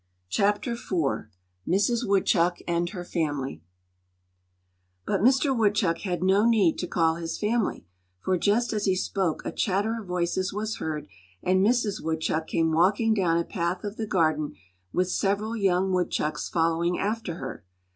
Chapter IV Mrs. Woodchuck and Her Family BUT Mister Woodchuck had no need to call his family, for just as he spoke a chatter of voices was heard and Mrs. Woodchuck came walking down a path of the garden with several young woodchucks following after her.